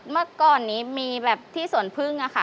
เมื่อก่อนนี้มีแบบที่สวนพึ่งอะค่ะ